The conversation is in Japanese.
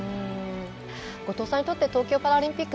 後藤さんにとって東京パラリンピック